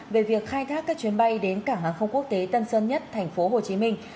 về việc khai thác các chuyến bay đến cảng hàng không quốc tế tân sơn nhất thành phố hồ chí minh